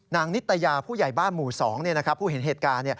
นิตยาผู้ใหญ่บ้านหมู่๒ผู้เห็นเหตุการณ์